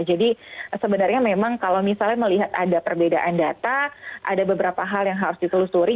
jadi sebenarnya memang kalau misalnya melihat ada perbedaan data ada beberapa hal yang harus ditelusuri